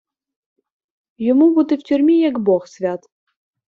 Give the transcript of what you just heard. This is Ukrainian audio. Йому бути в тюрмі як бог свят.